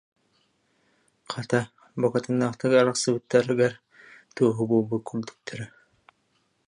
Хата, букатыннаахтык арахсыбыттарыгар туоһу буолбут курдуктара